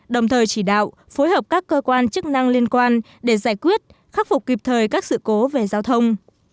đồng thời chỉ đạo phối hợp các cơ quan chức năng liên quan để giải quyết khắc phục kịp thời các sự cố về giao thông